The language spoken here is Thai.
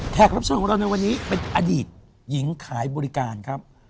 รับเชิญของเราในวันนี้เป็นอดีตหญิงขายบริการครับ